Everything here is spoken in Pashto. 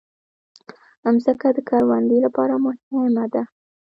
مځکه د کروندې لپاره مهمه ده.